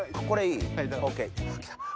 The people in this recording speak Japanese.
これいい？